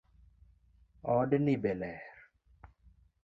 Od ni be ler?